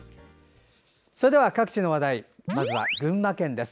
それでは各地の話題まずは群馬県です。